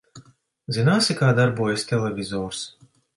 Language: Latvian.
Zināsi, kā darbojas televizors?